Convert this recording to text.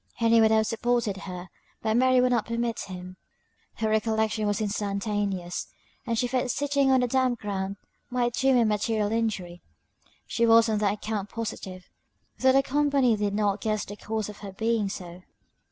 Henry would have supported her; but Mary would not permit him; her recollection was instantaneous, and she feared sitting on the damp ground might do him a material injury: she was on that account positive, though the company did not guess the cause of her being so.